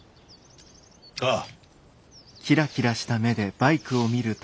ああ。